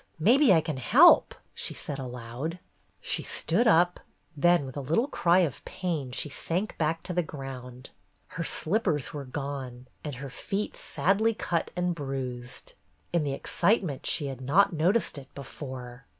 Maybe I can help,'' she said aloud. She stood up, then with a little cry of pain she sank back to the ground. Her slippers were gone, and her feet sadly cut and bruised. In the excitement she had not noticed it before.